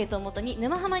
「沼ハマ」